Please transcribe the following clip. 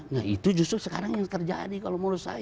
nah itu justru sekarang yang terjadi kalau menurut saya